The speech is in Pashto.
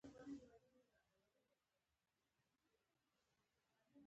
مرګ، په تیارې کې ډزې او یا هم ځغاسته.